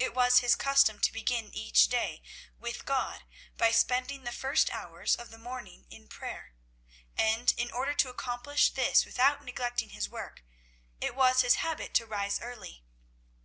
It was his custom to begin each day with God by spending the first hours of the morning in prayer; and, in order to accomplish this without neglecting his work, it was his habit to rise early.